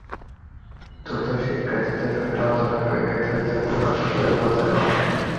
খুব দ্রুত শিক্ষার্থীদের সঙ্গে আলোচনা করে নির্ধারিত মূল্য কার্যকরের ব্যবস্থা নেব আমরা।